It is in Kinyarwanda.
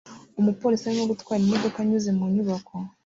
Umupolisi arimo gutwara imodoka anyuze mu nyubako